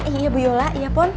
iya bu yola iya pon